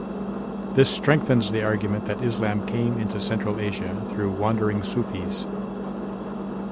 This strengthens the argument that Islam came into Central Asia through wandering Sufis.